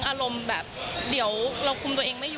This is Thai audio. อารมณ์เวลาควมตัวเองไม่อยู่